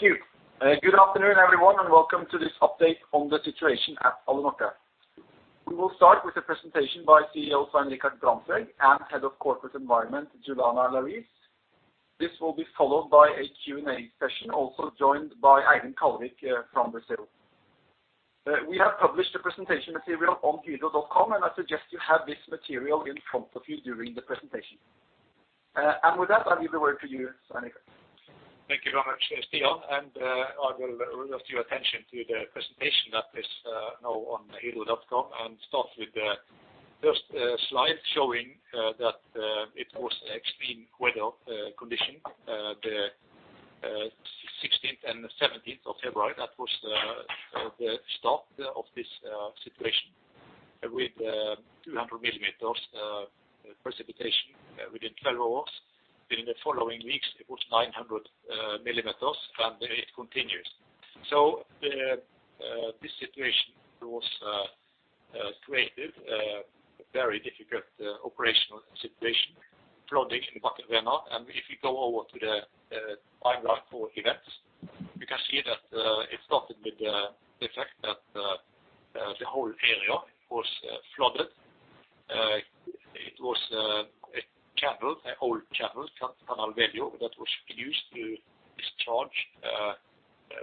Thank you. Good afternoon, everyone, and welcome to this update on the situation at Alunorte. We will start with a presentation by CEO Svein Richard Brandtzæg and Head of Corporate Environment, Giovanna Larice. This will be followed by a Q&A session, also joined by Eivind Kallevik from Brazil. We have published the presentation material on hydro.com, and I suggest you have this material in front of you during the presentation. With that, I give the word to you, Svein Richard. Thank you very much, Stian. I will draw your attention to the presentation that is now on hydro.com and start with the first slide showing that it was extreme weather condition the 16th and 17th of February. That was the start of this situation with 200 mm precipitation within 12 hours. Within the following weeks, it was 900 mm, and it continues. This situation was created a very difficult operational situation, flooding in Barcarena. If you go over to the timeline for events, you can see that it started with the fact that the whole area was flooded. It was a channel, an old channel, Canal Velho, that was used to discharge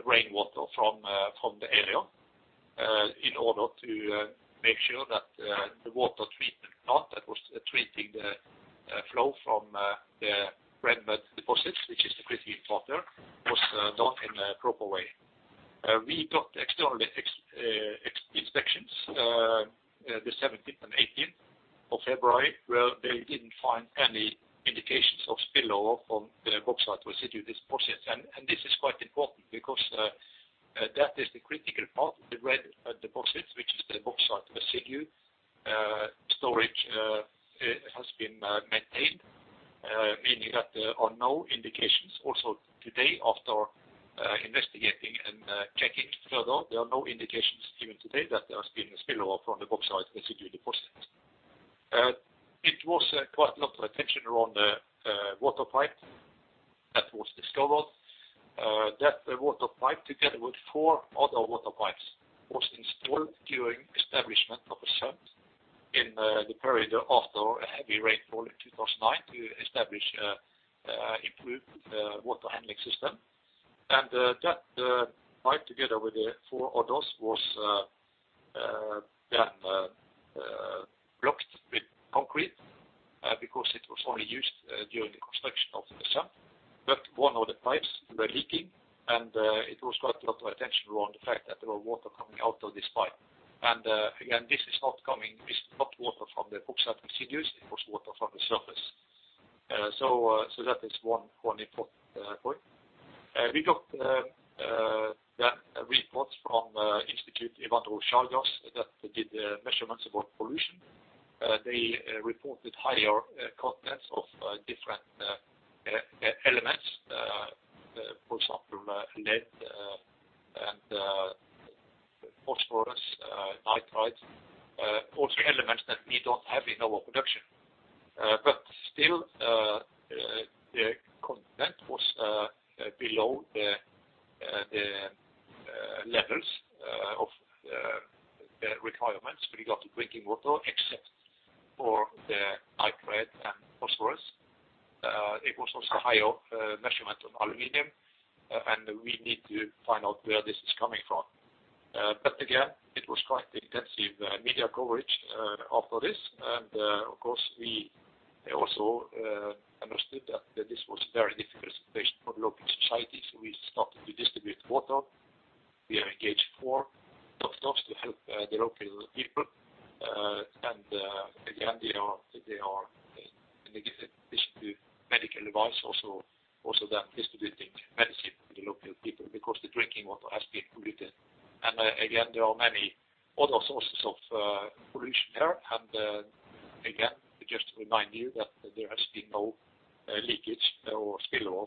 rainwater from the area in order to make sure that the water treatment plant that was treating the flow from the red mud deposits, which is the critical part there, was done in the proper way. We got externally inspections, the 17th and 18th of February, where they didn't find any indications of spillover from the bauxite residue deposits. This is quite important because that is the critical part of the red deposits, which is the bauxite residue storage has been maintained, meaning that there are no indications also today after investigating and checking further, there are no indications even today that there has been a spillover from the bauxite residue deposits. It was quite a lot of attention around the water pipe that was discovered. That water pipe together with four other water pipes was installed during establishment of a sump in the period after a heavy rainfall in 2009 to establish improve the water handling system. That pipe together with the four others was blocked with concrete because it was only used during the construction of the sump. But one of the pipes were leaking, and it was quite a lot of attention around the fact that there were water coming out of this pipe. Again, this is not water from the bauxite residues, it was water from the surface. So that is one important point. We got reports from Instituto Evandro Chagas that did measurements about pollution. They reported higher contents of different elements, for example, lead and phosphorus, nitrite, all three elements that we don't have in our production. But still, the content was below the levels of the requirements regarding drinking water, except for the nitrite and phosphorus. It was also a higher measurement of aluminum, and we need to find out where this is coming from. But again, it was quite intensive media coverage after this. Of course, we also understood that this was a very difficult situation for the local society. We started to distribute water. We have engaged four doctors to help the local people. Again, they are in addition to medical advice also distributing medicine to the local people because the drinking water has been polluted. Again, there are many other sources of pollution there. Again, just to remind you that there has been no leakage or spillover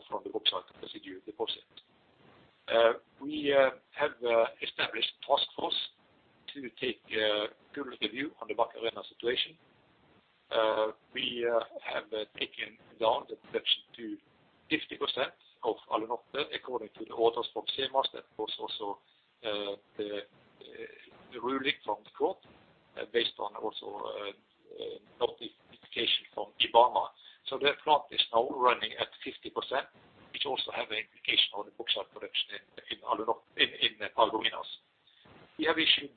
from the bauxite residue deposit. We have established task force to take a good review on the Barcarena situation. We have taken down the production to 50% of Alunorte according to the orders from SEMAS. That was also the ruling from the court based on also a notification from IBAMA. The plant is now running at 50%, which also have an implication on the bauxite production in Paragominas. We have issued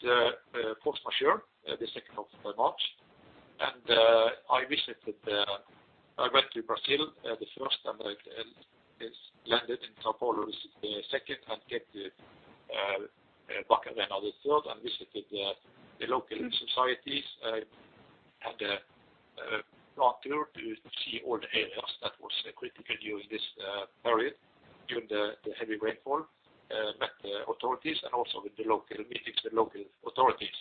force majeure the 2nd of March. I went to Brazil the first and I landed in São Paulo the second and get to Barcarena the third and visited the local societies. I had a plant tour to see all the areas that was critical during this period during the heavy rainfall, met the authorities and also with the local meetings with local authorities.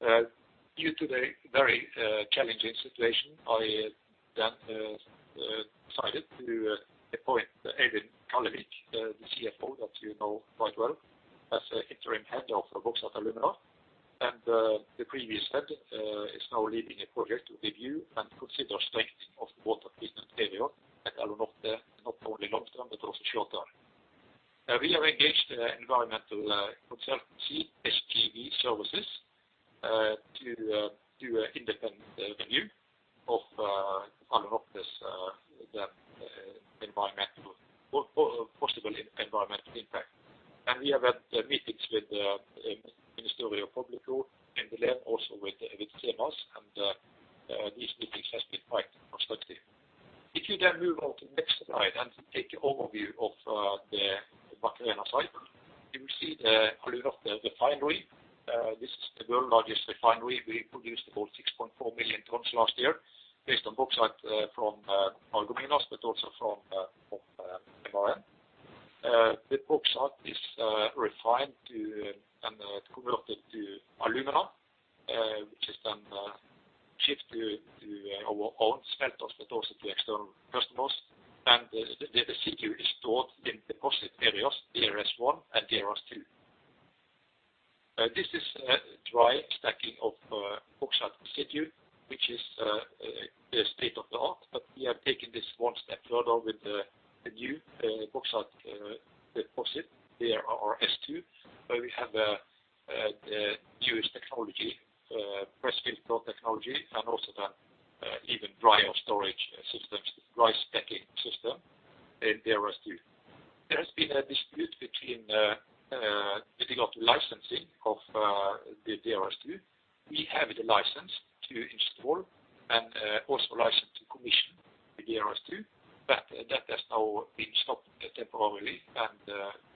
Due to the very challenging situation, I then decided to appoint Eivind Kallevik, the CFO that you know quite well, as interim head of Bauxite & Alumina. The previous head is now leading a project to review and consider strengthening of the water treatment area at Alunorte, not only long term but also short term. Now we have engaged environmental consultancy, SGW Services, to do independent review of Alunorte's the environmental or possible environmental impact. We have had meetings with the Ministry of Public Health in Belém also with SEMAS, these meetings has been quite constructive. If you then move on to the next slide and take overview of the Miltônia site, you will see the Alunorte refinery. This is the world largest refinery. We produced about 6.4 million tons last year based on bauxite from Paragominas, but also from MRN. The bauxite is refined to and converted to alumina, which is then shipped to our own smelters but also to external customers. The secure is stored in deposit areas, DRS1 and DRS2. This is a dry stacking of bauxite residue, which is a state-of-the-art, but we have taken this one step further with the new bauxite deposit there or S2, where we have the newest technology, press filter technology, and also the even drier storage systems, dry stacking system in DRS2. There has been a dispute between difficult licensing of the DRS2. We have the license to install and also license to commission the DRS2, but that has now been stopped temporarily.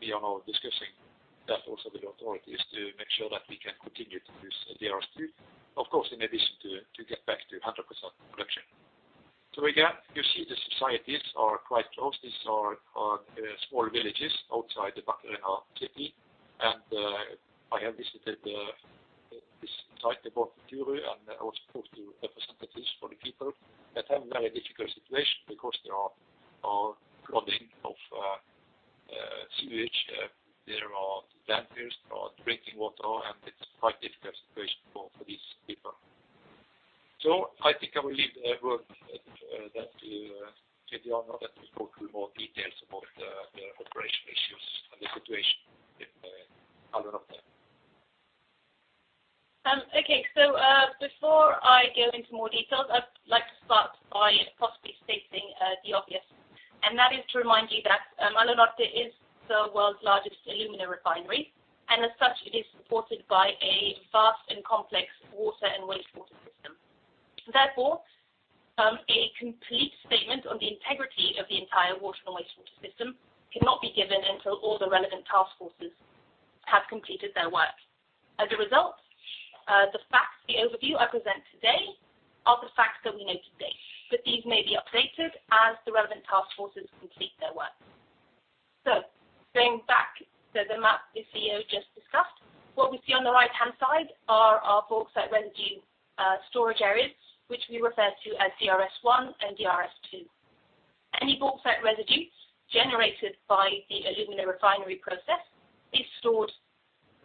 We are now discussing that also with the authorities to make sure that we can continue to use DRS2, of course, in addition to get back to 100% production. Again, you see the societies are quite close. These are small villages outside the Miltônia city. I have visited this site, I met the community, and I also spoke to representatives for the people that have very difficult situation because there are flooding of sewage. There are dangers for drinking water, and it's quite difficult situation for these people. I think I will leave work then to Giovanna that will go through more details about the operational issues and the situation with Alunorte. Okay. Before I go into more details, I'd like to start by possibly stating the obvious. That is to remind you that Alunorte is the world's largest alumina refinery, and as such, it is supported by a vast and complex water and wastewater system. Therefore, a complete statement on the integrity of the entire water and wastewater system cannot be given until all the relevant task forces have completed their work. As a result, the facts, the overview I present today are the facts that we know today, but these may be updated as the relevant task forces complete their work. Going back to the map the CEO just discussed, what we see on the right-hand side are our bauxite residue storage areas, which we refer to as DRS1 and DRS2. Any bauxite residue generated by the alumina refinery process is stored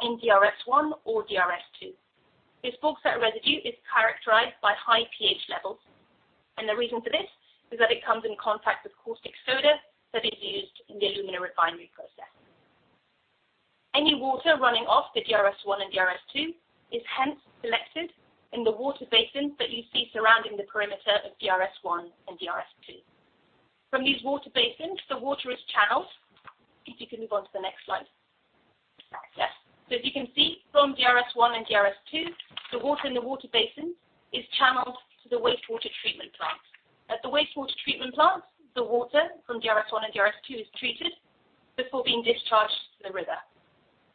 in DRS1 or DRS2. This bauxite residue is characterized by high pH levels, and the reason for this is that it comes in contact with caustic soda that is used in the alumina refinery process. Any water running off the DRS1 and DRS2 is hence collected in the water basins that you see surrounding the perimeter of DRS1 and DRS2. From these water basins, the water is channeled. If you could move on to the next slide. Yes. As you can see from DRS1 and DRS2, the water in the water basin is channeled to the wastewater treatment plant. At the wastewater treatment plant, the water from DRS1 and DRS2 is treated before being discharged to the river.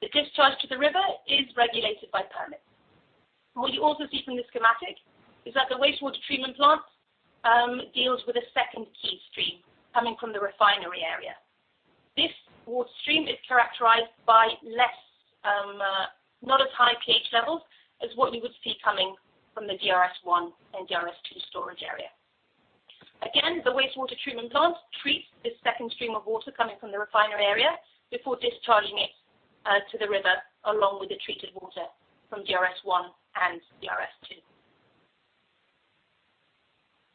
The discharge to the river is regulated by permits. What you also see from the schematic is that the wastewater treatment plant deals with a second key stream coming from the refinery area. This water stream is characterized by less, not as high pH levels as what you would see coming from the DRS1 and DRS2 storage area. Again, the wastewater treatment plant treats this second stream of water coming from the refinery area before discharging it to the river, along with the treated water from DRS1 and DRS2.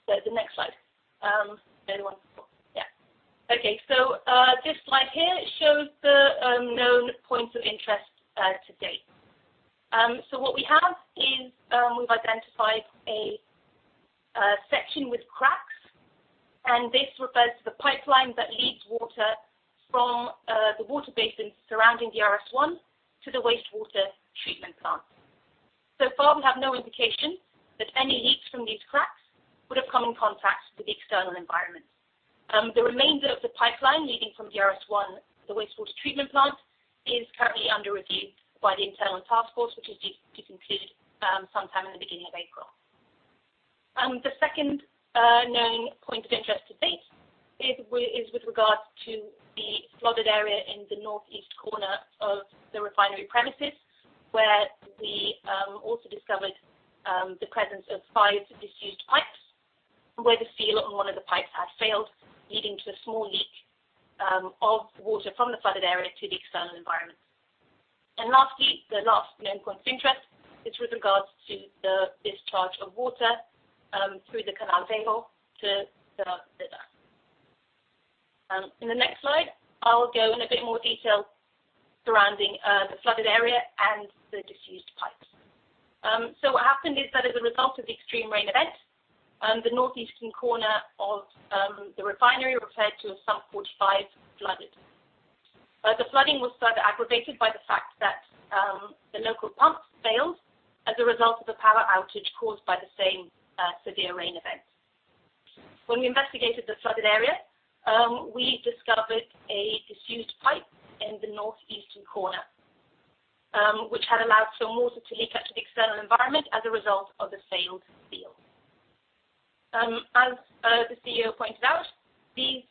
The next slide. Anyone? This slide here shows the known points of interest to date. What we have is, we've identified a section with cracks, and this refers to the pipeline that leads water from the water basin surrounding DRS1 to the wastewater treatment plant. So far, we have no indication that any leaks from these cracks would have come in contact with the external environment. The remainder of the pipeline leading from DRS1, the wastewater treatment plant, is currently under review by the internal task force, which is due to conclude sometime in the beginning of April. The second known point of interest to date is with regards to the flooded area in the northeast corner of the refinery premises, where we also discovered the presence of five disused pipes. Where the seal on one of the pipes had failed, leading to a small leak of water from the flooded area to the external environment. Lastly, the last known point of interest is with regards to the discharge of water through the Canal Velho to the river. In the next slide, I'll go in a bit more detail surrounding the flooded area and the disused pipes. What happened is that as a result of the extreme rain event, the northeastern corner of the refinery referred to as sump 45 flooded. The flooding was further aggravated by the fact that the local pumps failed as a result of the power outage caused by the same severe rain event. When we investigated the flooded area, we discovered a diffused pipe in the northeastern corner, which had allowed some water to leak out to the external environment as a result of the failed seal. As the CEO pointed out, these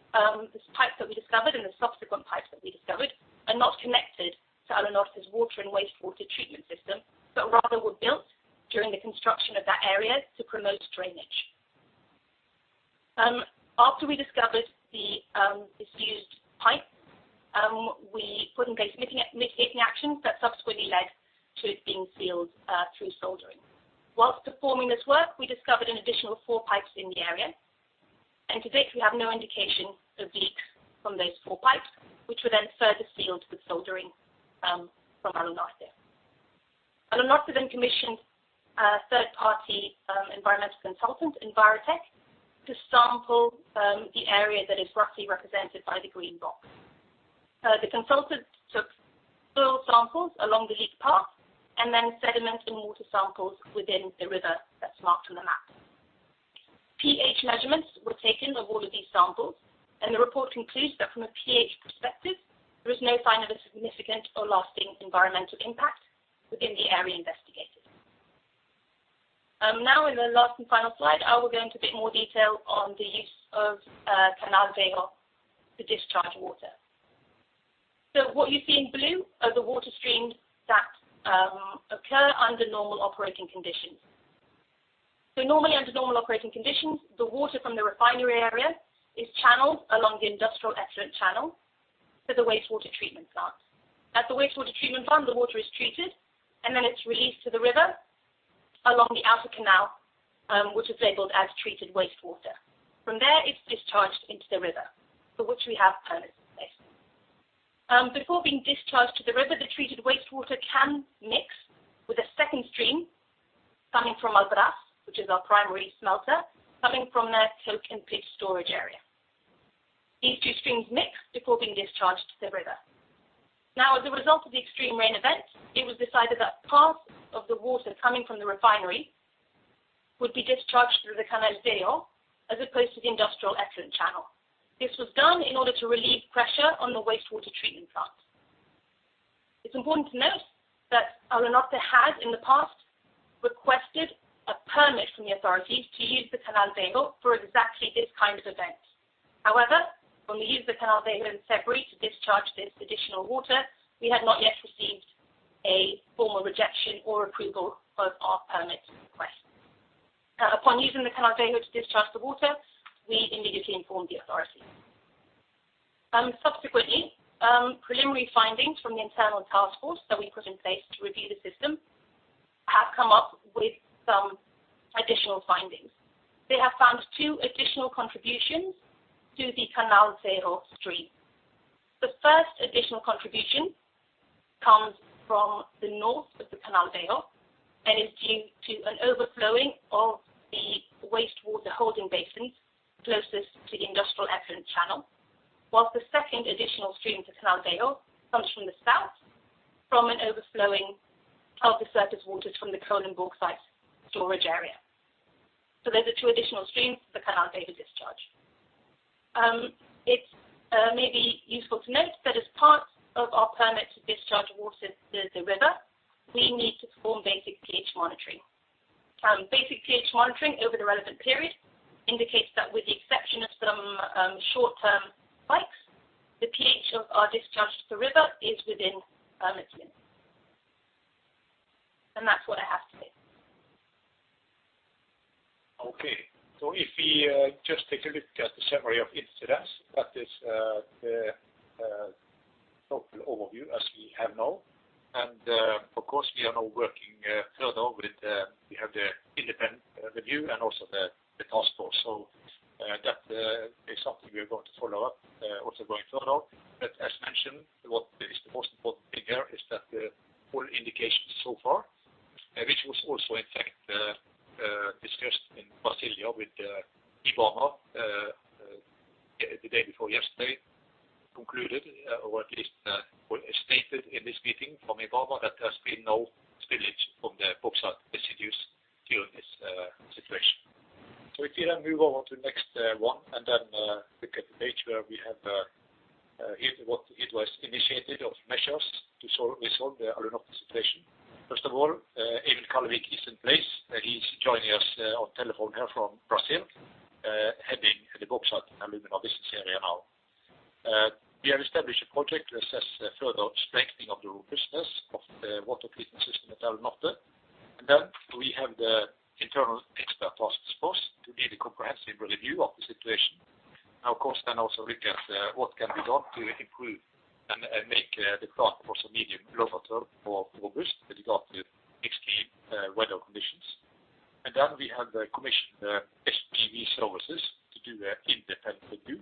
pipes that we discovered and the subsequent pipes that we discovered are not connected to Alunorte's water and wastewater treatment system, but rather were built during the construction of that area to promote drainage. After we discovered the diffused pipe, we put in place mitigating actions that subsequently led to it being sealed through soldering. Whilst performing this work, we discovered an additional four pipes in the area, and to date we have no indication of leaks from those four pipes, which were then further sealed with soldering from Alunorte. Alunorte commissioned a third-party environmental consultant, Envirotech, to sample the area that is roughly represented by the green box. The consultant took soil samples along the leak path then sediment and water samples within the river that's marked on the map. PH measurements were taken of all of these samples, the report concludes that from a pH perspective, there is no sign of a significant or lasting environmental impact within the area investigated. Now in the last and final slide, I will go into a bit more detail on the use of Canal Velho to discharge water. What you see in blue are the water streams that occur under normal operating conditions. Normally, under normal operating conditions, the water from the refinery area is channeled along the industrial effluent channel to the wastewater treatment plant. At the wastewater treatment plant, the water is treated, and then it's released to the river along the outer canal, which is labeled as treated wastewater. It's discharged into the river, for which we have permits in place. Before being discharged to the river, the treated wastewater can mix with a second stream coming from Albras, which is our primary smelter, coming from their coke and pitch storage area. These two streams mix before being discharged to the river. As a result of the extreme rain event, it was decided that part of the water coming from the refinery would be discharged through the Canal Velho as opposed to the industrial effluent channel. This was done in order to relieve pressure on the wastewater treatment plant. It's important to note that Alunorte has in the past requested a permit from the authorities to use the Canal Velho for exactly this kind of event. However, when we used the Canal Velho in February to discharge this additional water, we had not yet received a formal rejection or approval of our permit request. Upon using the Canal Velho to discharge the water, we immediately informed the authorities. Subsequently, preliminary findings from the internal task force that we put in place to review the system have come up with some additional findings. They have found two additional contributions to the Canal Velho stream. The first additional contribution comes from the north of the Canal Velho and is due to an overflowing of the wastewater holding basins closest to the industrial effluent channel. Whilst the second additional stream to Canal Velho comes from the south, from an overflowing of the surface waters from the coal and bauxite storage area. There's are two additional streams for the Canal Velho discharge. It's maybe useful to note that as part of our permit to discharge water to the river, we need to perform basic pH monitoring. Basic pH monitoring over the relevant period indicates that with the exception of some short-term spikes, the pH of our discharge to the river is within our limits. That's what I have to say. Okay. If we just take a look at the summary of incidents, that is the total overview as we have now. Of course, we are now working further with, we have the independent review and also the task force. That is something we are going to follow up also going further. As mentioned, what is the most important thing here is that the full indication so far, which was also in fact, discussed in Brasilia with IBAMA the day before yesterday, concluded or at least or stated in this meeting from IBAMA that there's been no spillage from the bauxite residues during this situation. If we then move on to the next one and then look at the page where we have here what it was initiated of measures to resolve the Alunorte situation. First of all, Eivind Kallevik is in place. He's joining us on telephone here from Brazil, heading the Bauxite & Alumina business area now. We have established a project to assess the further strengthening of the robustness of the water treatment system at Alunorte. We have the internal expert task force to give a comprehensive review of the situation. Now, of course, then also look at what can be done to improve and make the plant also medium, long term more robust with regard to extreme weather conditions. Then we have the commission, SGW Services to do an independent review,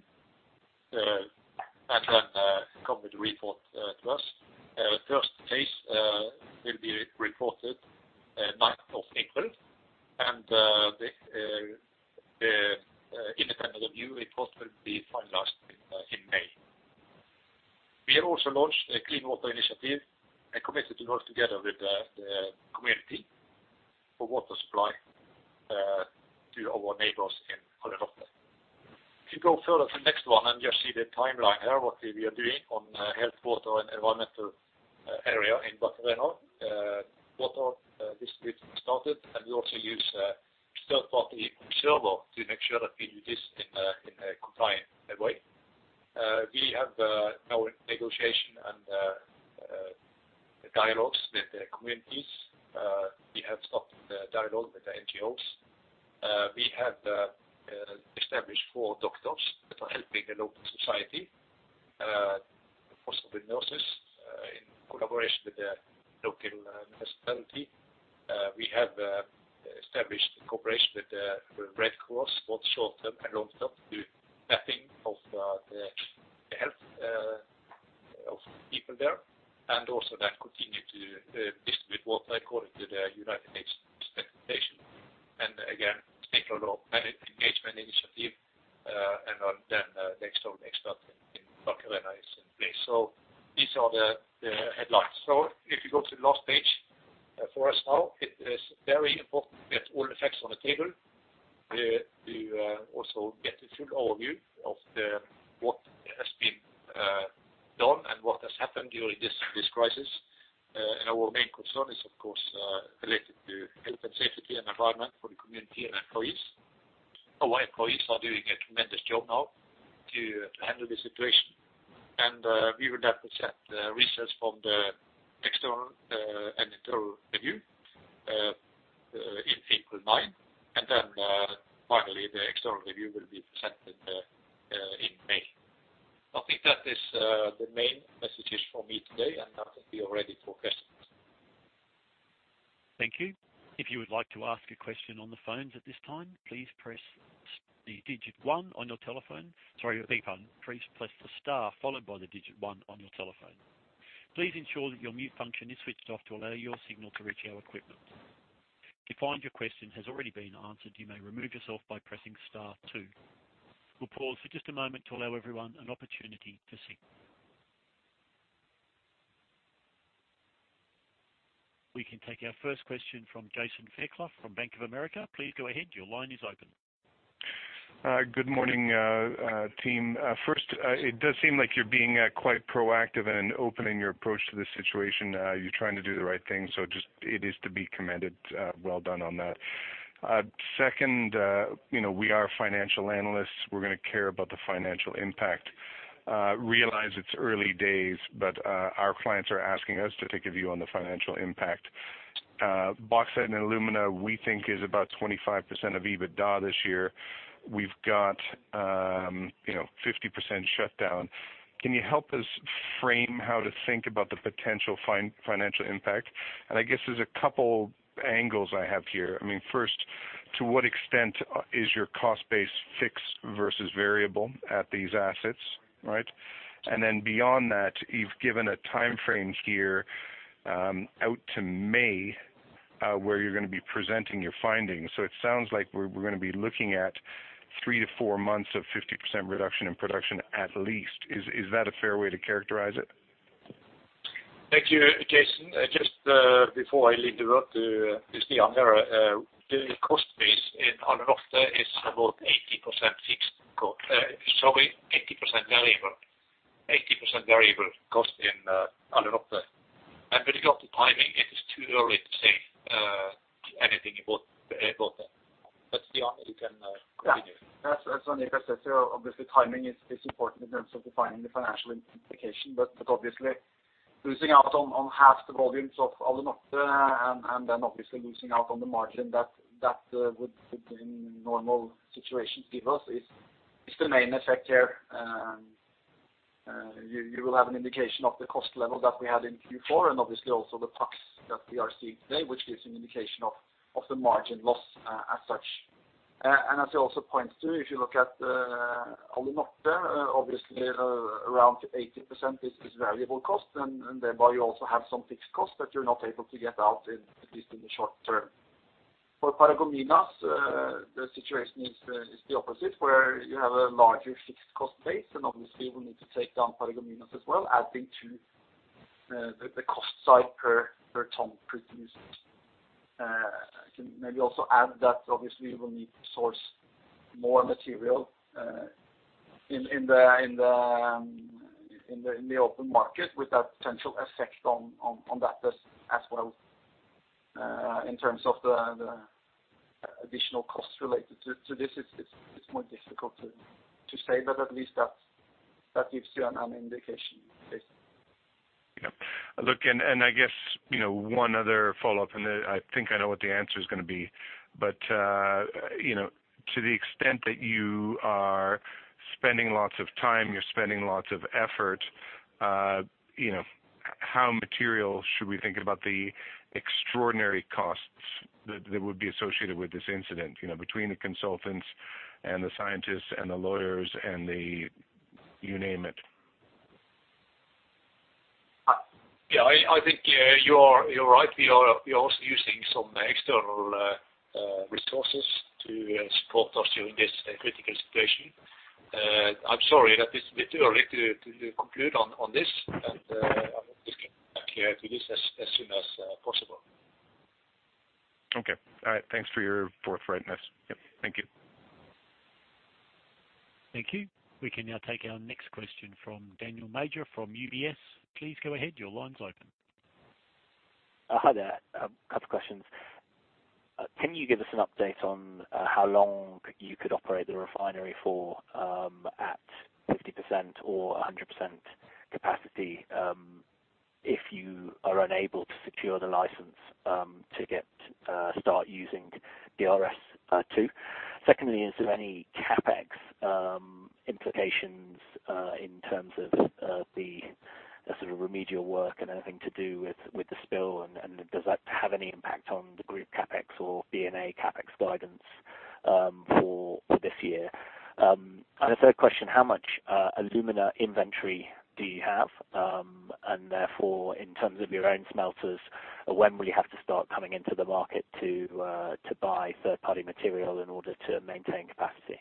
and then come with a report to us. First phase will be reported 9th of April, and the independent review report will be finalized in May. We have also launched a clean water initiative and committed to work together with the community for water supply to our neighbors in Alunorte. If you go further to the next one and just see the timeline here, what we are doing on health, water and environmental area in Barcarena. Water distribution started, and we also use a third party, Servo, to make sure that we do this in a compliant way. We have now in negotiation and dialogues with the communities. We have started the dialogue with the NGOs. We have established four doctors that are helping the local society for some diagnosis in collaboration with the local municipality. We have established a cooperation with the Red Cross, both short term and long term, doing mapping of the health of people there. Continue to distribute water according to the United Nations specification. Stakeholder engagement initiative, the external expert in Barcarena is in place. These are the headlines. If you go to the last page for us now, it is very important to get all the facts on the table. We also get a full overview of what has been done and what has happened during this crisis. Our main concern is of course, related to health and safety and environment for the community and employees. Our employees are doing a tremendous job now to handle the situation. We will then present the results from the external and internal review in April 9. Then, finally, the external review will be presented in May. I think that is the main messages from me today, and I think we are ready for questions. Thank you. If you would like to ask a question on the phones at this time, please press the digit one on your telephone. Sorry. Beg pardon. Please press the star followed by the digit one on your telephone. Please ensure that your mute function is switched off to allow your signal to reach our equipment. If you find your question has already been answered, you may remove yourself by pressing star two. We'll pause for just a moment to allow everyone an opportunity to see. We can take our first question from Jason Fairclough from Bank of America. Please go ahead. Your line is open. Good morning, team. First, it does seem like you're being quite proactive and open in your approach to this situation. You're trying to do the right thing, so just it is to be commended. Well done on that. Second, you know, we are financial analysts. We're gonna care about the financial impact. Realize it's early days, but our clients are asking us to take a view on the financial impact. Bauxite and alumina, we think is about 25% of EBITDA this year. We've got, you know, 50% shutdown. Can you help us frame how to think about the potential financial impact? I guess there's a couple angles I have here. I mean, first, to what extent is your cost base fixed versus variable at these assets, right? Beyond that, you've given a time frame here, out to May, where you're gonna be presenting your findings. It sounds like we're gonna be looking at three to four months of 50% reduction in production at least. Is that a fair way to characterize it? Thank you, Jason. Just before I leave the word to Stian there, the cost base in Alunorte is about 80% variable cost in Alunorte. With regard to timing, it is too early to say anything about that. Stian, you can continue. Yeah. As Svein says here, obviously timing is important in terms of defining the financial implication. Obviously losing out on half the volumes of Alunorte, and then obviously losing out on the margin that would in normal situations give us is the main effect here. You will have an indication of the cost level that we had in Q4 and obviously also the price that we are seeing today, which gives an indication of the margin loss as such. As he also points to, if you look at Alunorte, obviously around 80% is variable cost and thereby you also have some fixed cost that you're not able to get out in at least in the short term. For Paragominas, the situation is the opposite, where you have a larger fixed cost base, and obviously we'll need to take down Paragominas as well, adding to the cost side per ton produced. I can maybe also add that obviously we'll need to source more material in the open market with that potential effect on that as well. In terms of the additional costs related to this, it's more difficult to say, but at least that gives you an indication, yes. Yeah. Look, and I guess, you know, one other follow-up, and then I think I know what the answer is gonna be. You know, to the extent that you are spending lots of time, you're spending lots of effort, you know, how material should we think about the extraordinary costs that would be associated with this incident? You know, between the consultants and the scientists and the lawyers and the... You name it. Yeah, I think, you're right. We are also using some external resources to support us during this critical situation. I'm sorry that it's a bit early to conclude on this. We can get back to you to this as soon as possible. Okay. All right. Thanks for your forthrightness. Yep. Thank you. Thank you. We can now take our next question from Daniel Major from UBS. Please go ahead. Your line's open. Hi there. Couple questions. Can you give us an update on how long you could operate the refinery for at 50% or 100% capacity if you are unable to secure the license to get start using DRS2? Secondly, is there any CapEx implications in terms of the sort of remedial work and anything to do with the spill? Does that have any impact on the group CapEx or B&A CapEx guidance for this year? A third question, how much alumina inventory do you have? Therefore, in terms of your own smelters, when will you have to start coming into the market to buy third-party material in order to maintain capacity?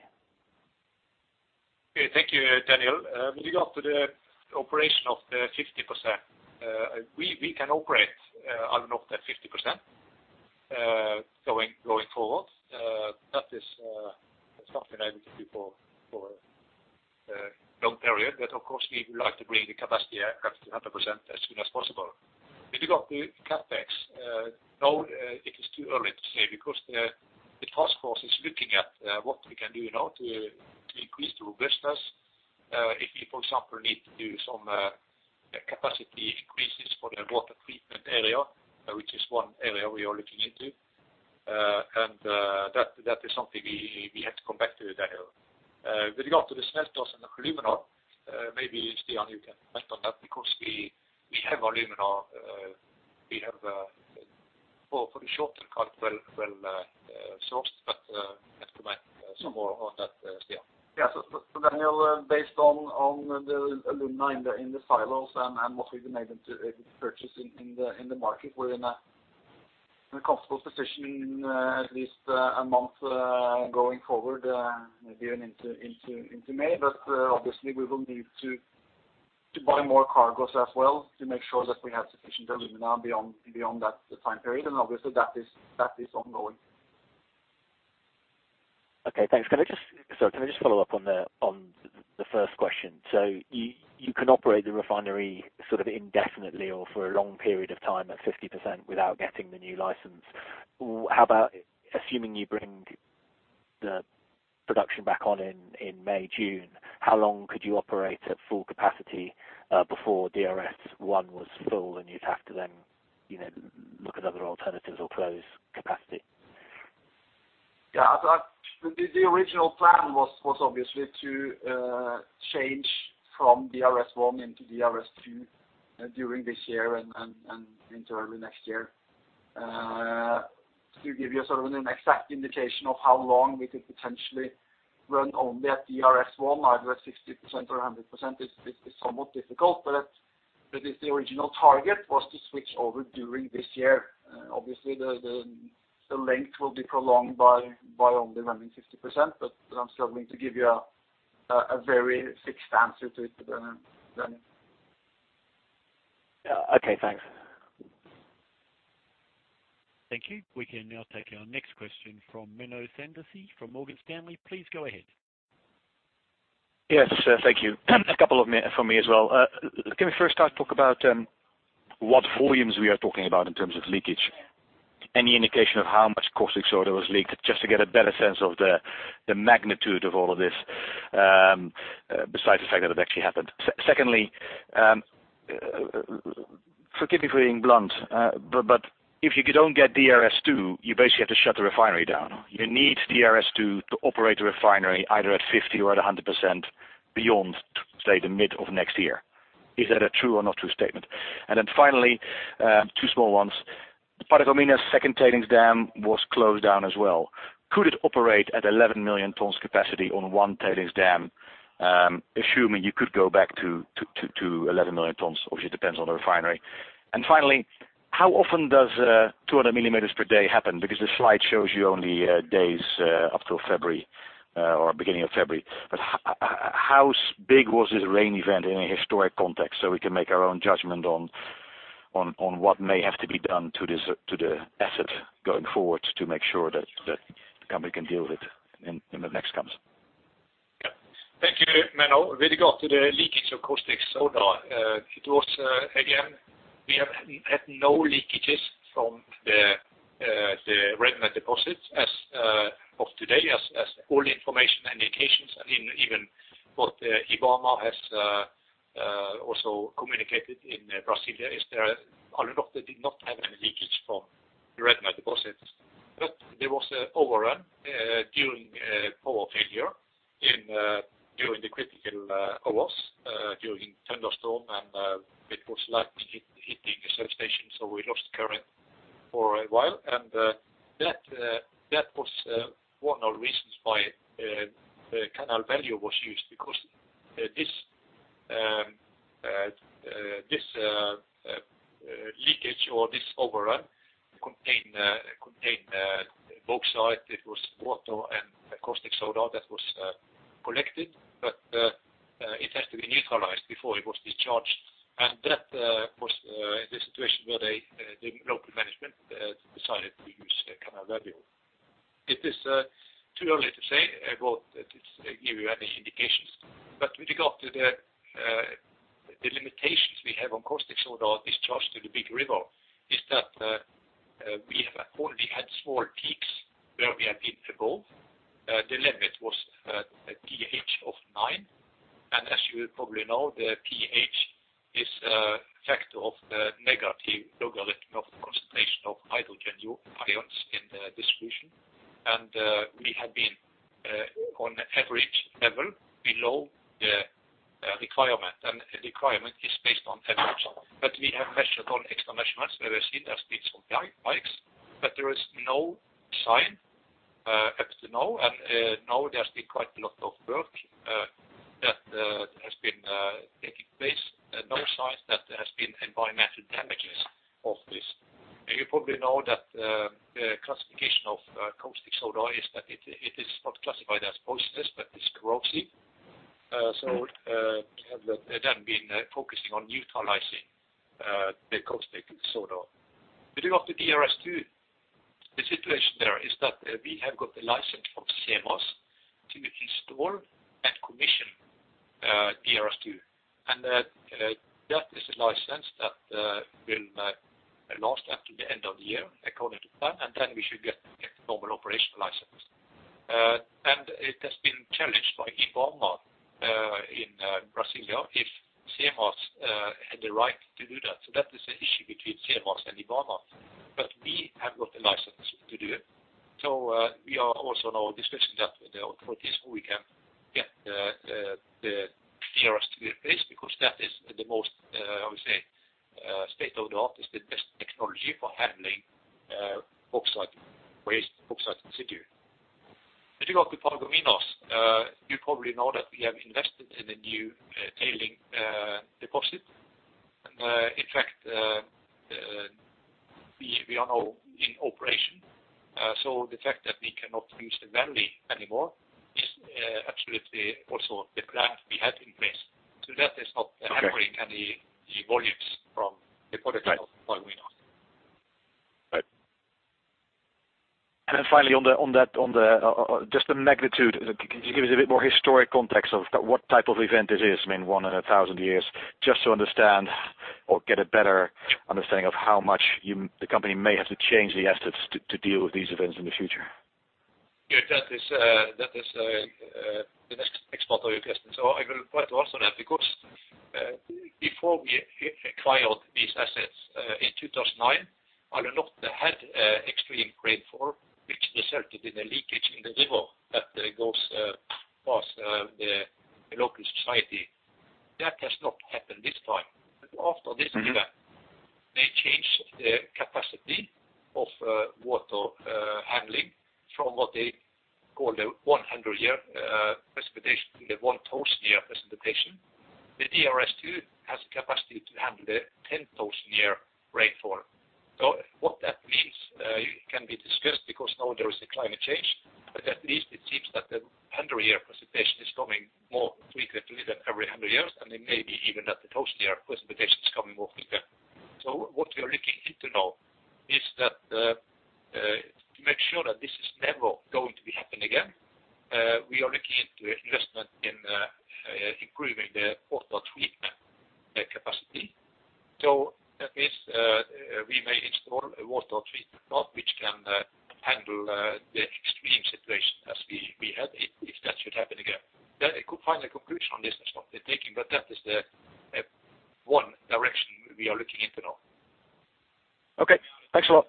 Okay, thank you, Daniel. With regard to the operation of the 50%, we can operate Alunorte at 50% going forward. That is something that we can do for a long period. Of course, we would like to bring the capacity back to 100% as soon as possible. With regard to CapEx, no, it is too early to say because the task force is looking at what we can do now to increase the robustness. If we, for example, need to do some capacity increases for the water treatment area, which is one area we are looking into, that is something we have to come back to you, Daniel. With regard to the smelters and the alumina, maybe Stian, you can comment on that because we have our alumina, we have for the shorter part well sourced. You have to comment some more on that, Stian. Yeah. Daniel, based on the alumina in the silos and what we've been able to purchase in the market, we're in a comfortable position, at least a month going forward, maybe even into May. Obviously, we will need to buy more cargoes as well to make sure that we have sufficient alumina beyond that time period, and obviously that is ongoing. Okay, thanks. Sorry, can I just follow up on the first question? You can operate the refinery sort of indefinitely or for a long period of time at 50% without getting the new license. How about assuming you bring the production back on in May, June, how long could you operate at full capacity before DRS1 was full, and you'd have to then, you know, look at other alternatives or close capacity? Yeah. The original plan was obviously to change from DRS1 into DRS2 during this year and into early next year. To give you sort of an exact indication of how long we could potentially run only at DRS1, either at 60% or 100% is somewhat difficult. If the original target was to switch over during this year, obviously the length will be prolonged by only running 60%. I'm struggling to give you a very fixed answer to it, Daniel. Yeah. Okay, thanks. Thank you. We can now take our next question from Menno Sanderse from Morgan Stanley. Please go ahead. Yes, thank you. A couple from me as well. Can we first start to talk about what volumes we are talking about in terms of leakage? Any indication of how much caustic soda was leaked, just to get a better sense of the magnitude of all of this, besides the fact that it actually happened? Secondly, forgive me for being blunt, but if you don't get DRS2, you basically have to shut the refinery down. You need DRS2 to operate the refinery either at 50% or at 100% beyond, say, the mid of next year. Is that a true or not true statement? Finally, two small ones. Part of Alunorte's second tailings dam was closed down as well. Could it operate at 11 million tons capacity on one tailings dam, assuming you could go back to 11 million tons? Obviously, it depends on the refinery. Finally, how often does 200 mm per day happen? The slide shows you only days up till February, or beginning of February. How big was this rain event in a historic context, so we can make our own judgment on what may have to be done to this, to the asset going forward to make sure that the company can deal with it in the next comes? Thank you, Menno. With regard to the leakage of caustic soda, it was again, we have had no leakages from the red mud deposits as of today as all the information and indications, I mean, even what IBAMA has also communicated in Brasilia is there are a lot that did not have any leakage from red mud deposits. There was a overrun during a power failure in during the critical hours during thunderstorm and it was like hitting a substation, so we lost current for a while. That was one of the reasons why the Canal Velho was used because this leakage or this overrun contain bauxite. It was water and caustic soda that was collected. It has to be neutralized before it was discharged. That was the situation where they, the local management, decided to use Canal Velho. It is too early to say about this, give you any indications. With regard to the limitations we have on caustic soda discharge to the big river is that we have only had small peaks where we have been above. The limit was a pH of nine. As you probably know, the pH is a factor of the negative logarithm of the concentration of hydrogen ions in the distribution. We have been on average level below the requirement, and the requirement is based on. We have measured on extra measurements where we've seen there's been some high spikes, but there is no sign up to now and now there's been quite a lot of work that has been taking place. No signs that there has been environmental damages of this. You probably know that the classification of caustic soda is that it is not classified as poisonous but as corrosive. They have been focusing on neutralizing the caustic soda. With regard to DRS2, the situation there is that we have got the license from SEMAS to install and commission DRS2. And yes, this is my sense that in the last half of the end of the year, according to plan, and then we should get a normal operation license. And it has been challenged by IBAMA in crossing out if CMOD has the right to do that. So that is the issue between CMODs and IBAMA. But we have not been licensed to do it. So we are also now discussing that with the authorities where we can get the DRS to be replaced, because that is the most, I would say, state-of-the-art, the best technology for handling bauxite. Mineração Paragominas, you probably know that we have invested in a new tailing deposit. In fact, we are now in operation. The fact that we cannot use the valley anymore is absolutely also the plan we had in place. That is not- Okay. Hampering any volumes from the production of Paragominas. Right. Finally on the magnitude, can you give us a bit more historic context of what type of event it is? I mean, one in a thousand years, just to understand or get a better understanding of how much the company may have to change the assets to deal with these events in the future? Yeah. That is the next part of your question. I will try to answer that because before we acquired these assets in 2009, Alunorte had a extreme rainfall which resulted in a leakage in the river that goes past the local society. That has not happened this time. After this event- Mm-hmm. They changed the capacity of water handling from what they call the 100-year precipitation to the 1,000-year precipitation. The DRS2 has the capacity to handle the 10,000-year rainfall. What that means can be discussed because now there is a climate change, but at least it seems that the 100-year precipitation is coming more frequently than every 100 years, and it may be even that the 1,000-year precipitation is coming more frequently. What we are looking into now is that to make sure that this is never going to be happening again, we are looking into investment in improving the water treatment capacity. That means we may install a water treatment plant which can handle the extreme situation as we had if that should happen again. Find the conclusion on this and start the taking, that is the one direction we are looking into now. Okay. Thanks a lot.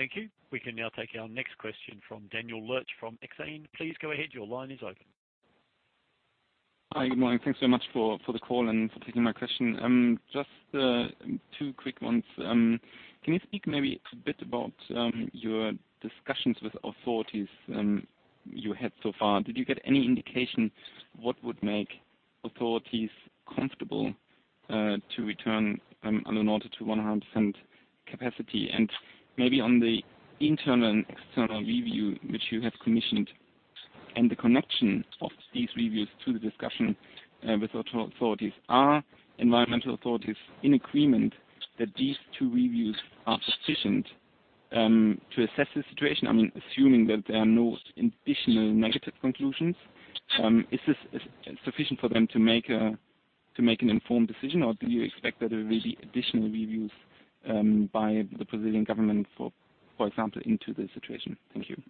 Thank you. We can now take our next question from Daniel Lurch from Exane. Please go ahead. Your line is open. Hi. Good morning. Thanks very much for the call and for taking my question. Just two quick ones. Can you speak maybe a bit about your discussions with authorities you had so far? Did you get any indication what would make authorities comfortable to return Alunorte to 100% capacity? Maybe on the internal and external review which you have commissioned and the connection of these reviews to the discussion with authorities, are environmental authorities in agreement that these two reviews are sufficient? To assess the situation, I mean, assuming that there are no additional negative conclusions, is this sufficient for them to make an informed decision, or do you expect that there will be additional reviews by the Brazilian government, for example, into the situation? Thank you.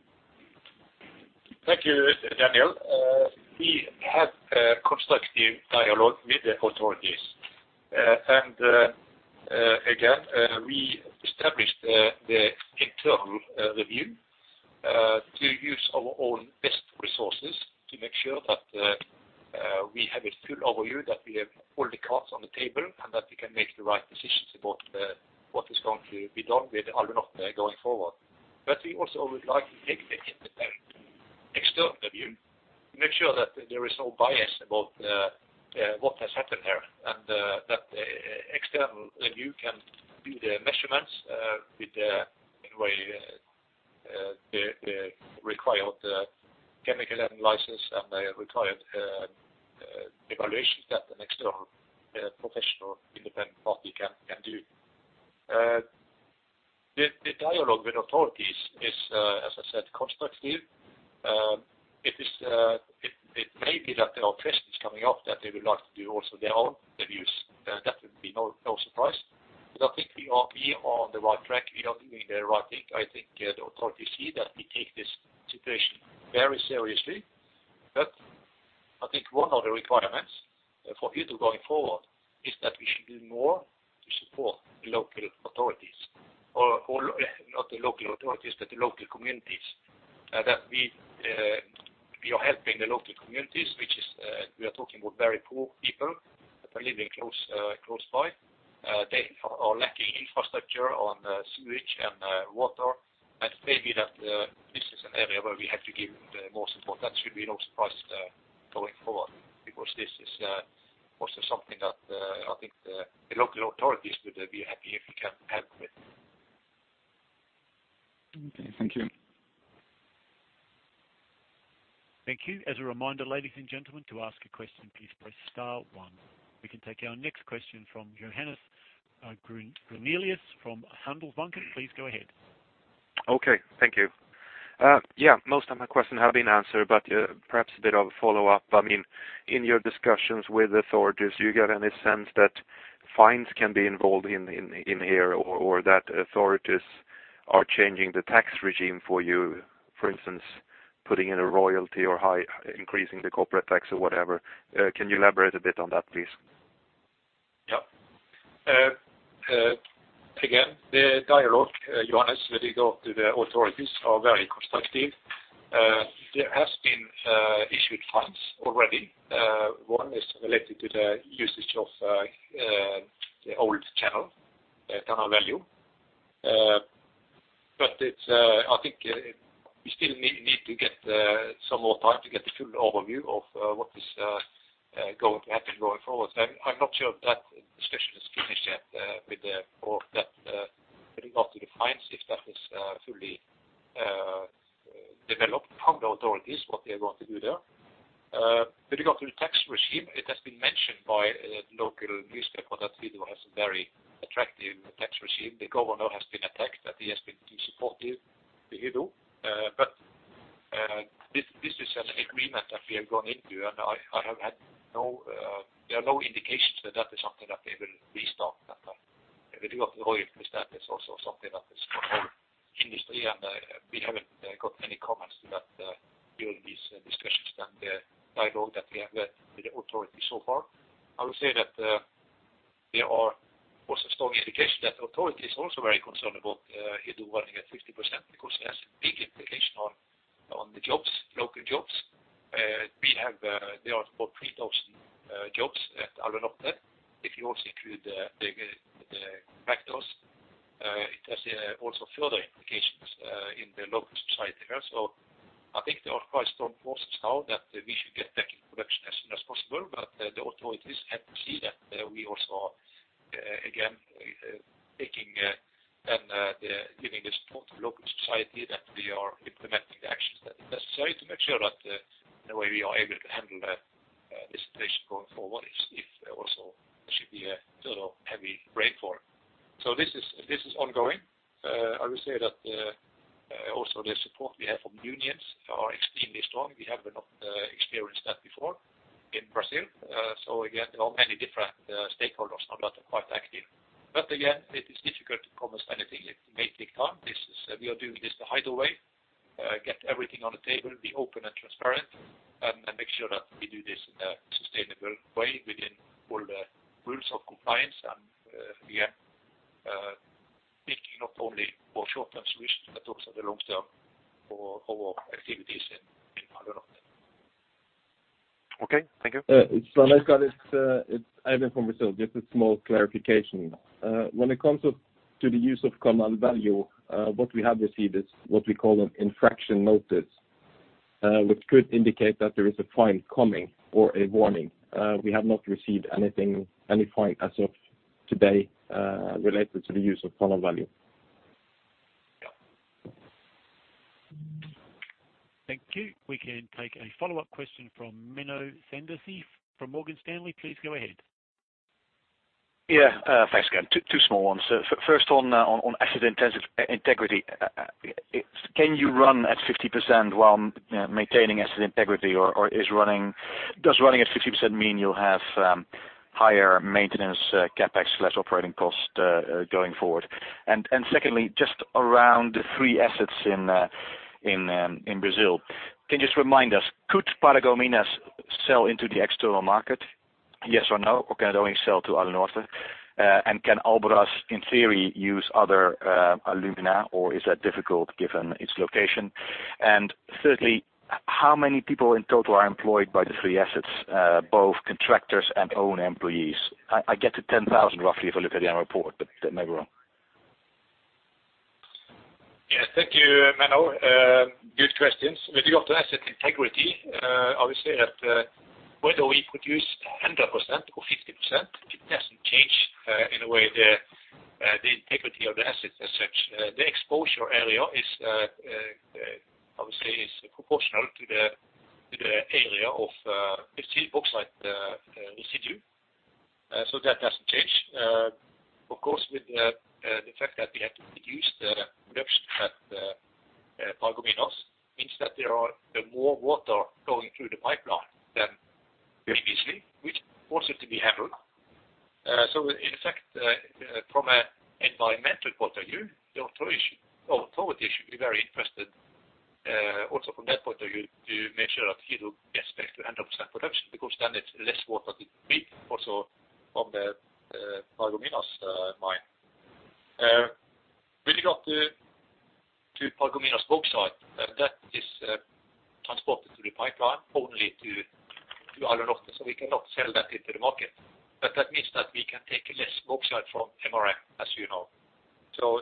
Thank you, Daniel. We have a constructive dialogue with the authorities. Again, we established the internal review to use our all best resources to make sure that we have a full overview, that we have all the cards on the table, and that we can make the right decisions about what is going to be done with Alunorte going forward. We also would like to take the external review, make sure that there is no bias about what has happened there, and that external review can do the measurements with the, in a way, the required chemical analysis and the required evaluations that an external professional independent party can do. The dialogue with authorities is as I said, constructive. It is, it may be that there are questions coming up that they would like to do also their own reviews. That would be no surprise. I think we are on the right track. We are doing the right thing. I think the authorities see that we take this situation very seriously. I think one of the requirements for Hydro going forward is that we should do more to support the local authorities or not the local authorities, but the local communities that we are helping the local communities, which is, we are talking with very poor people that are living close by. They are lacking infrastructure on sewage and water. Maybe that this is an area where we have to give the most important. That should be no surprise, going forward, because this is also something that I think the local authorities would be happy if we can help with. Okay. Thank you. Thank you. As a reminder, ladies and gentlemen, to ask a question, please press star one. We can take our next question from Johannes Grunselius from Handelsbanken. Please go ahead. Okay. Thank you. Yeah, most of my questions have been answered, but perhaps a bit of a follow-up. I mean, in your discussions with authorities, do you get any sense that fines can be involved in here or that authorities are changing the tax regime for you, for instance, putting in a royalty or increasing the corporate tax or whatever? Can you elaborate a bit on that, please? Yeah. Again, the dialogue, Johannes, with regard to the authorities are very constructive. There has been issued fines already. One is related to the usage of the old channel, Canal Velho. It's, I think we still need to get some more time to get the full overview of what is going to happen going forward. I'm not sure that discussion is finished yet, or that, with regard to the fines, if that is fully developed from the authorities, what they want to do there. With regard to the tax regime, it has been mentioned by a local newspaper that Hydro has a very attractive tax regime. The governor has been attacked, that he has been too supportive to Hydro. This is an agreement that we have gone into, and I have had no, there are no indications that that is something that they will restart that time. With regard to the royalty status, also something that is for whole industry, we haven't got any comments to that during these discussions and the dialogue that we have with the authority so far. I would say that there are also strong indication that authority is also very concerned about Hydro running at 50% because it has a big implication on the jobs, local jobs. We have there are about 3,000 jobs at Alunorte. If you also include the contractors, it has also further implications in the local society there. I think there are quite strong forces now that we should get back in production as soon as possible. The authorities have to see that we also are again taking and giving the support to local society, that we are implementing the actions that are necessary to make sure that the way we are able to handle the this situation going forward if there also should be a sort of heavy rainfall. This is ongoing. I will say that also the support we have from unions are extremely strong. We have not experienced that before in Brazil. Again, there are many different stakeholders now that are quite active. Again, it is difficult to promise anything. It may take time. We are doing this the Hydro way, get everything on the table, be open and transparent, and make sure that we do this in a sustainable way within all the rules of compliance. We are thinking not only for short-term solutions, but also the long term for our activities in Alunorte. Okay. Thank you. It's Svenskar. It's Ivan from Brazil. Just a small clarification. When it comes to the use of Canal Velho, what we have received is what we call an infraction notice, which could indicate that there is a fine coming or a warning. We have not received anything, any fine as of today, related to the use of Canal Velho. Thank you. We can take a follow-up question from Menno Sanderse from Morgan Stanley. Please go ahead. Yeah, thanks again. Two small ones. First on asset integrity. Can you run at 50% while maintaining asset integrity? Or does running at 50% mean you'll have higher maintenance CapEx/operating costs going forward? Secondly, just around the three assets in Brazil. Can you just remind us, could Paragominas sell into the external market, yes or no? Or can it only sell to Alunorte? And can Albras, in theory, use other alumina, or is that difficult given its location? Thirdly, how many people in total are employed by the three assets, both contractors and own employees? I get to 10,000 roughly if I look at the annual report, but that may be wrong. Thank you, Menno. Good questions. With regard to asset integrity, obviously that, whether we produce 100% or 50%, it doesn't change in a way the integrity of the assets as such. The exposure area is obviously proportional to the area of bauxite residue, so that doesn't change. Of course, with the fact that we have to reduce the production at Paragominas means that there are more water going through the pipeline than previously, which of course is to be handled. In effect, from an environmental point of view, the authority or authorities should be very interested, also from that point of view, to make sure that we do get back to 100% production, because then it's less water to be also from the Paragominas mine. With regard to Paragominas bauxite, that is transported through the pipeline only to Alunorte, so we cannot sell that into the market. That means that we can take less bauxite from MRA, as you know.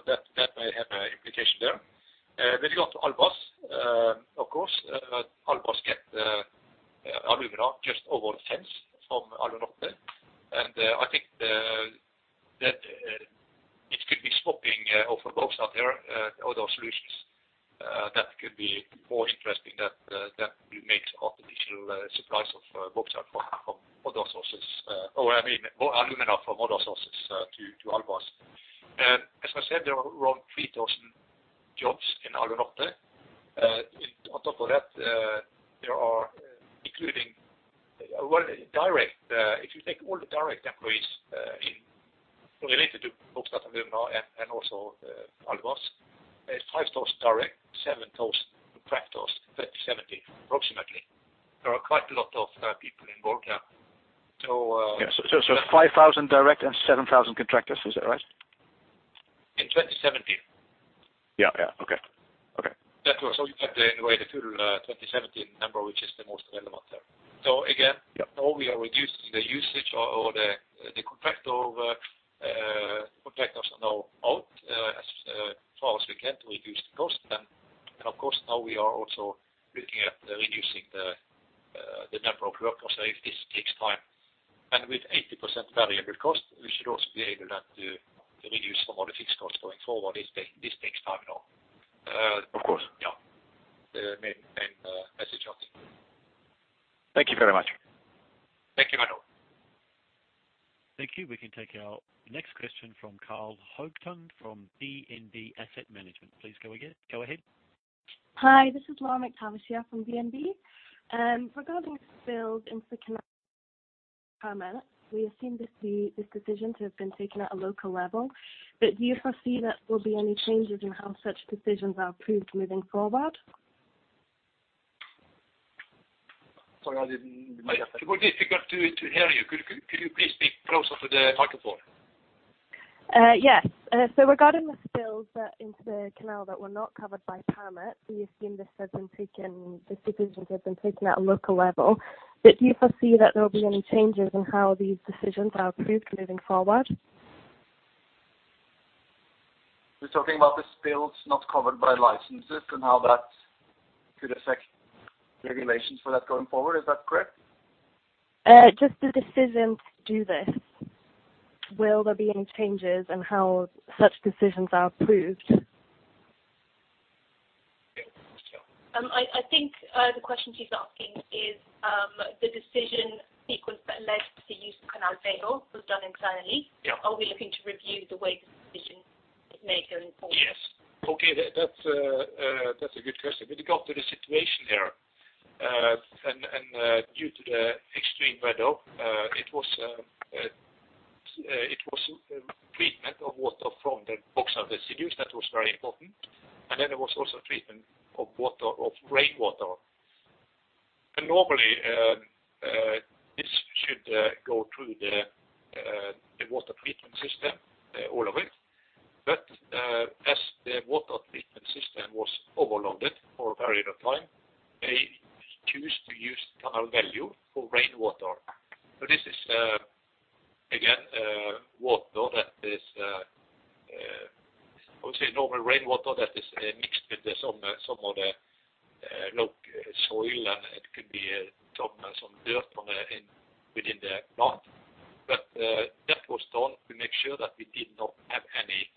That may have an implication there. With regard to Albras, of course, Albras get alumina just over the fence from Alunorte. I think the, that, it could be swapping of a bauxite there, other solutions, that could be more interesting that we make of additional supplies of bauxite from other sources. Or, I mean, or alumina from other sources, to Albras. As I said, there are around 3,000 jobs in Alunorte. On top of that, there are including... Well, direct, if you take all the direct employees, in, related to bauxite, alumina, and also, Albras, it's 5,000 direct, 7,000 contractors, in 2017 approximately. There are quite a lot of, people involved there. So. Yeah. 5,000 direct and 7,000 contractors, is that right? In 2017. Yeah, yeah. Okay, okay. That was so you get the, in a way, the full, 2017 number, which is the most relevant there. Yeah. Now we are reducing the usage or the contractor, contractors are now out as far as we can to reduce the cost. Of course, now we are also looking at reducing the number of workers. This takes time. With 80% variable cost, we should also be able then to reduce some of the fixed costs going forward. This takes time now. Of course. Yeah. The main message on it. Thank you very much. Thank you, Menno. Thank you. We can take our next question from Karl Høgtun from DNB Asset Management. Please go ahead. Hi, this is Laura McTavish here from DNB. Regarding spills into canals permits, we assume these decisions to have been taken at a local level. Do you foresee that there will be any changes in how such decisions are approved moving forward? Sorry, I didn't quite get that. It was difficult to hear you. Could you please speak closer to the microphone? Yes. Regarding the spills that into the canal that were not covered by permit, we assume this has been taken, these decisions have been taken at a local level. Do you foresee that there will be any changes in how these decisions are approved moving forward? You're talking about the spills not covered by licenses and how that could affect regulations for that going forward, is that correct? Just the decision to do this. Will there be any changes in how such decisions are approved? Yeah. I think, the question she's asking is, the decision sequence that led to the use of Canal Velho was done internally. Yeah. Are we looking to review the way decisions are made going forward? Yes. Okay. That's a good question. With regard to the situation there, and due to the extreme weather, it was treatment of water from the bauxite residues that was very important. There was also treatment of water, of rainwater. Normally, this should go through the water treatment system, all of it. As the water treatment system was overloaded for a period of time, they choose to use Canal Velho for rainwater. This is again water that is... I would say normal rainwater that is mixed with some other soil. It could be some dirt from within the plant. That was done to make sure that we did not have any...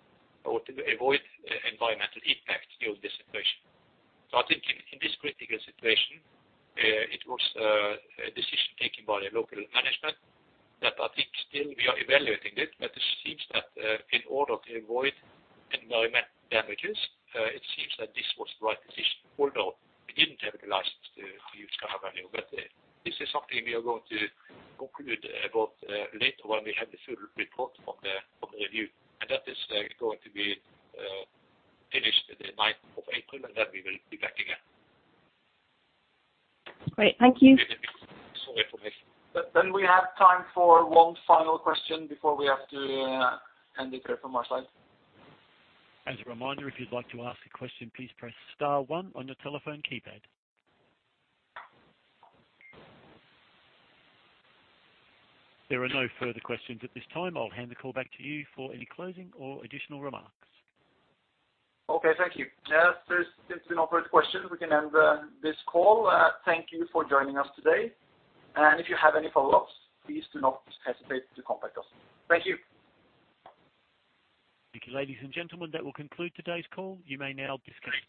To avoid environmental impact during this situation. I think in this critical situation, it was a decision taken by the local management that I think still we are evaluating it, but it seems that in order to avoid environment damages, it seems that this was the right decision, although we didn't have the license to use Canal Velho. This is something we are going to conclude about later when we have the full report from the review. That is going to be finished the 9th of April, we will be back again. Great. Thank you. Sorry for missing. We have time for one final question before we have to end it from our side. As a reminder, if you'd like to ask a question, please press star one on your telephone keypad. There are no further questions at this time. I'll hand the call back to you for any closing or additional remarks. Okay, thank you. Yeah, since there's been no further questions, we can end this call. Thank you for joining us today. If you have any follow-ups, please do not hesitate to contact us. Thank you. Thank you. Ladies and gentlemen, that will conclude today's call. You may now disconnect.